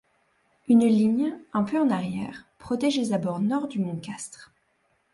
Une ligne un peu en arrière protège les abords nord du mont Castre.